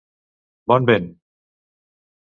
Bon vent!